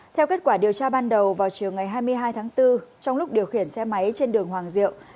theo kết quả điều tra ban đầu vào chiều ngày hai mươi hai tháng bốn trong lúc điều khiển xe máy trên đường hoàng diệu